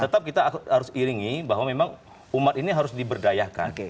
jadi saya kira ini memang diiringi bahwa memang umat ini harus diberdayakan